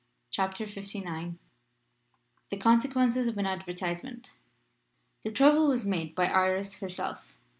CHAPTER LIX THE CONSEQUENCES OF AN ADVERTISEMENT THE trouble was made by Iris herself.